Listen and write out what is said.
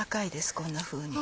こんなふうに。